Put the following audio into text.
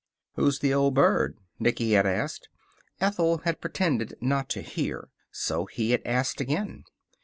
"Who's the old bird?" Nicky had asked. Ethel had pretended not to hear, so he had asked again.